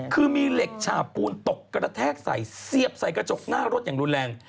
คือมีเหล็กฉาปูนตกกระแทกใส่เสียบใส่กระจกหน้ารถอย่างรุนแรง